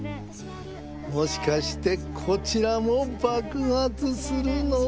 もしかしてこちらもばくはつするのかな